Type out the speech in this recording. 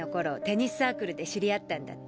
テニスサークルで知り合ったんだって。